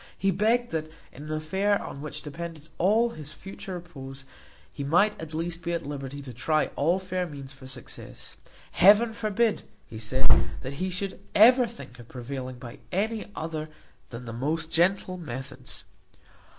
He begged that, in an affair on which depended all his future repose, he might at least be at liberty to try all fair means for success. Heaven forbid, he said, that he should ever think of prevailing by any other than the most gentle methods!